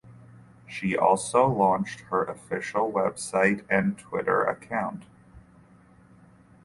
She also launched her official website and Twitter account.